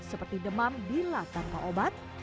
seperti demam bila tanpa obat